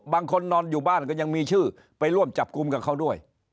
นอนอยู่บ้านก็ยังมีชื่อไปร่วมจับกลุ่มกับเขาด้วย